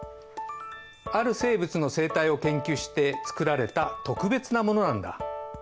ある生物の生態を研究してつくられた特別なものなんだ。